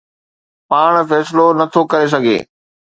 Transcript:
پاڻ فيصلو نه ٿو ڪري سگهي.